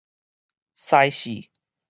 西勢